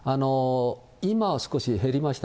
今は少し減りました。